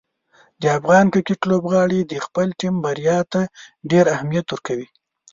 د افغان کرکټ لوبغاړي د خپلې ټیم بریا ته ډېر اهمیت ورکوي.